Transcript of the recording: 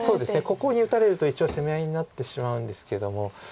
ここに打たれると一応攻め合いになってしまうんですけども。